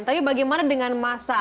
tapi bagaimana dengan masa